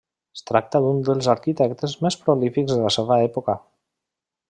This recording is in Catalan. Es tracta d'un dels arquitectes més prolífics de la seua època.